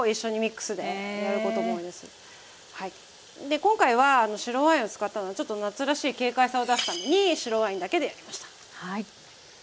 で今回は白ワインを使ったのはちょっと夏らしい軽快さを出すために白ワインだけでやりました。